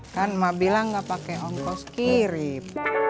kan emak bilang gak pake om kos kirim